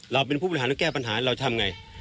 เราเป็นผู้บริหารเราแก้ปัญหาเราทำไง